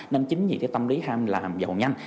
nên chính vì cái tâm lý ham làm giàu nhanh